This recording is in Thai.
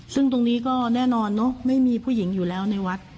ซึ่งตรงนี้ก็แน่นอนเนอะไม่มีผู้หญิงอยู่แล้วในวัด